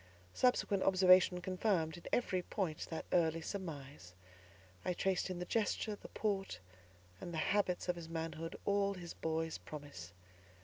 Subsequent observation confirmed, in every point, that early surmise. I traced in the gesture, the port, and the habits of his manhood, all his boy's promise.